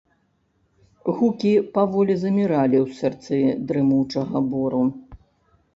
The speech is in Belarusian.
Гукі паволі заміралі ў сэрцы дрымучага бору.